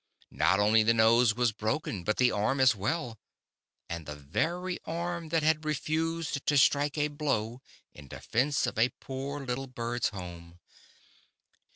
Not only the nose was broken, but the arm as well, and the very arm too that had re fused to strike a blow in defence of a poor little bird's home.